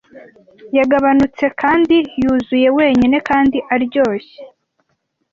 Yagabanutse kandi yuzuye wenyine kandi aryoshye,